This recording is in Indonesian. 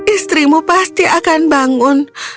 istrimu pasti akan bangun